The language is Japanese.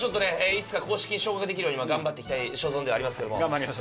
いつか公式に昇格できるように頑張っていきたい所存ではありますけども。